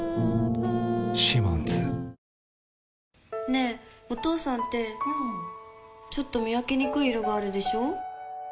ねぇ、お父さんってうんちょっと見分けにくい色があるでしょ。